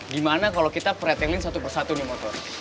gimana kalau kita preteling satu persatu nih motor